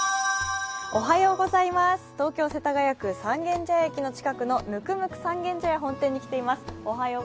東京・世田谷区、三軒茶屋駅近くのｎｕｋｕｍｕｋｕ三軒茶屋本店に来ています。